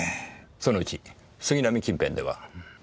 そのうち杉並近辺では？